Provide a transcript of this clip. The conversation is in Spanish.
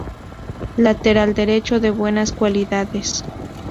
Lateral derecho de buenas cualidades.